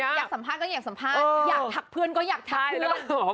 อยากสัมภาษณ์ก็อยากสัมภาษณ์อยากทักเพื่อนก็อยากทักเพื่อน